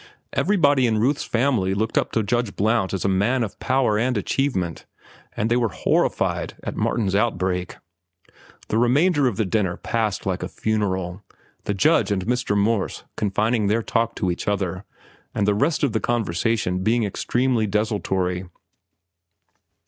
Everybody in Ruth's family looked up to Judge Blount as a man of power and achievement, and they were horrified at Martin's outbreak. The remainder of the dinner passed like a funeral, the judge and Mr. Morse confining their talk to each other, and the rest of the conversation being extremely desultory.